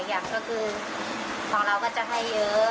อย่างก็คือของเราก็จะให้เยอะ